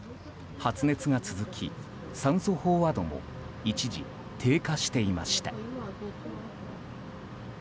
発熱が続き、酸素飽和度も一時低下していました。